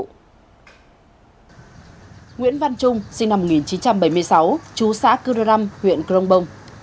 nguyễn văn trung sinh năm một nghìn chín trăm bảy mươi sáu trú xã cư đô răm huyện crong bong